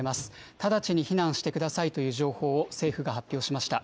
直ちに避難してくださいという情報を政府が発表しました。